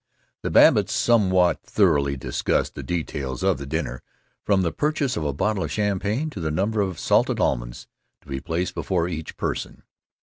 The Babbitts somewhat thoroughly discussed the details of the dinner, from the purchase of a bottle of champagne to the number of salted almonds to be placed before each person.